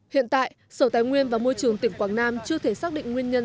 hiện tại sở tài nguyên và môi trường tỉnh quảng nam chưa thể xác định nguyên nhân